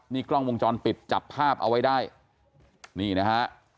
นี่กล้องวงจรปิดจับภาพเอาไว้ได้นี่นะฮะ